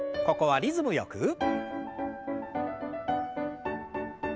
ここはリズムよく。